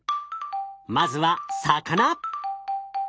まずは魚。